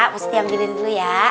posisi ambilin dulu ya